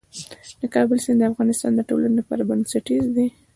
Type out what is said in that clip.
د کابل سیند د افغانستان د ټولنې لپاره بنسټيز دی.